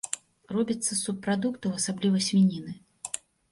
Робіцца з субпрадуктаў, асабліва свініны.